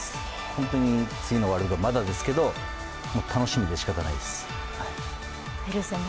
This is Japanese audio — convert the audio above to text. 本当に次のワールドカップ、まだですけど、楽しみでしかたないです。